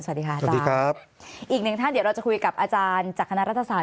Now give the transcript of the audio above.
สวัสดีค่ะอาจารย์ครับอีกหนึ่งท่านเดี๋ยวเราจะคุยกับอาจารย์จากคณะรัฐศาส